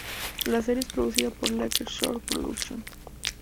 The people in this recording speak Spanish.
La serie es producida por Lakeshore Productions.